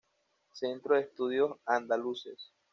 Centro de Estudios Andaluces.